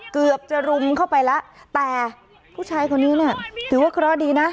เกือบจะรุมเข้าไปแล้วแต่ผู้ชายคนนี้เนี่ยถือว่าเคราะห์ดีนะ